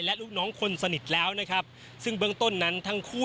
และลูกน้องคนสนิทแล้วนะครับซึ่งเบื้องต้นนั้นทั้งคู่